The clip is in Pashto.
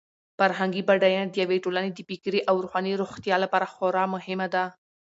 فرهنګي بډاینه د یوې ټولنې د فکري او روحاني روغتیا لپاره خورا مهمه ده.